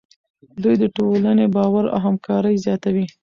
دوی د ټولنې باور او همکاري زیاتوي.